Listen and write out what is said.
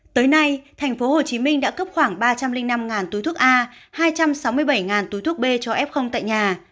tới nay tp hcm đã cấp khoảng ba trăm linh năm túi thuốc a hai trăm sáu mươi bảy túi thuốc b cho f tại nhà